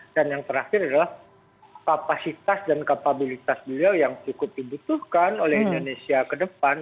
dan yang terakhir adalah kapasitas dan kapabilitas beliau yang cukup dibutuhkan oleh indonesia ke depan